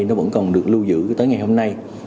nó vẫn còn được lưu giữ tới ngày hôm nay